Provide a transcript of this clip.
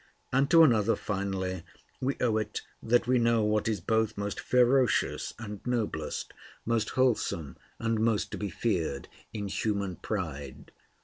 And to another, finally, we owe it that we know what is both most ferocious and noblest, most wholesome and most to be feared, in human pride.